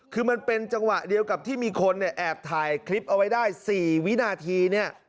คือมันเป็นจังหวะเดียวกับที่มีคนเนี่ยแอบถ่ายคลิปเอาไว้ได้๔วินาทีเนี่ย